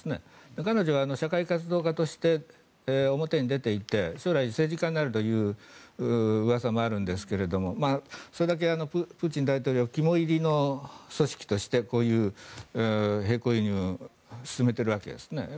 彼女は社会活動家として表に出ていて将来、政治家になるといううわさもあるんですがそれだけプーチン大統領肝煎りの組織としてこういう並行輸入を進めているわけですね。